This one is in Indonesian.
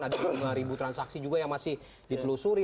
ada lima ribu transaksi juga yang masih ditelusuri